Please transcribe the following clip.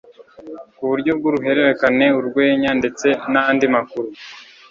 kuburyo bw uruhererekane urwenya ndetse n andi makuru